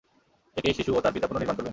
একে এই শিশু ও তাঁর পিতা পুনঃনির্মাণ করবেন।